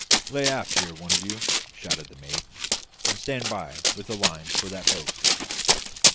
"Lay aft here, one of you," shouted the mate, "and stand by with a line for that boat."